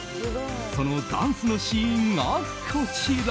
そのダンスのシーンが、こちら。